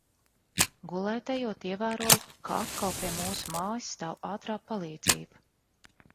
Gulēt ejot, ievēroju, ka atkal pie mūsu mājās stāv ātrā palīdzība.